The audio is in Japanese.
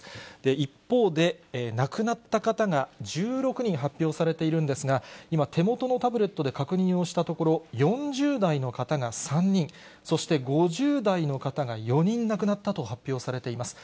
一方で、亡くなった方が１６人発表されているんですが、今、手元のタブレットで確認をしたところ、４０代の方が３人、そして５０代の方が４人亡くなったと発表されています。